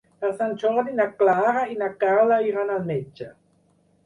Per Sant Jordi na Clara i na Carla iran al metge.